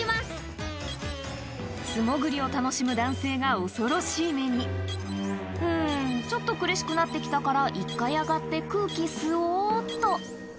素潜りを楽しむ男性が恐ろしい目に「うんちょっと苦しくなってきたから一回上がって空気吸おうっと」